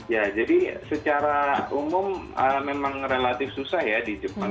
ya jadi secara umum memang relatif susah ya di jepang